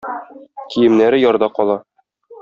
Киемнәре ярда кала.